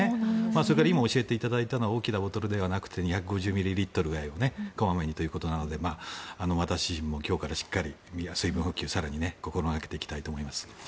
それから今教えていただいたのは大きなボトルではなく２５０ミリリットルぐらいを小まめにということなので私も今日からしっかり水分補給を更に心掛けていきたいと思います。